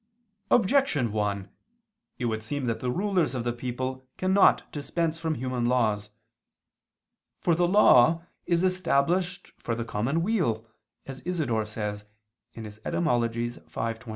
Objection 1: It would seem that the rulers of the people cannot dispense from human laws. For the law is established for the "common weal," as Isidore says (Etym. v, 21).